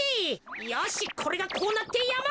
よしこれがこうなってやまのふじっと！